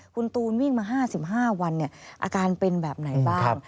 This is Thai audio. คุณตูนวิ่งมา๕๕วันอาการเป็นแบบไหนบ้าง